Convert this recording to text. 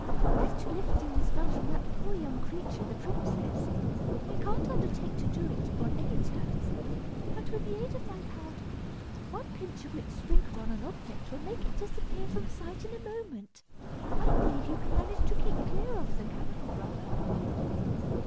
As to lifting the spell from that poor young creature, the princess, I can't undertake to do it, on any terms; but with the aid of my powder, one pinch of which sprinkled on an object will make it disappear from sight in a moment, I believe you can manage to keep clear of the cannibal brother."